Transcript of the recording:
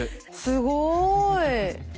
すごい。